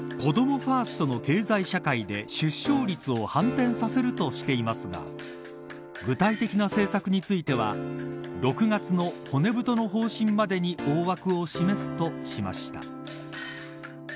ファーストの経済社会で出生率を反転させるとしていますが具体的な政策については６月の骨太の方針までに大枠を示すとしました。